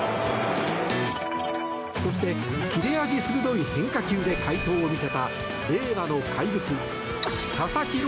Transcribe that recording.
そして切れ味鋭い変化球で快投を見せた令和の怪物・佐々木朗